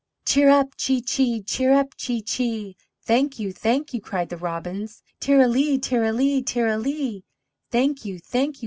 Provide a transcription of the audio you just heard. "Cheerup chee chee, cheerup chee chee! thank you, thank you," cried the Robins. "Ter ra lee, ter ra lee, ter ra lee! thank you, thank you!"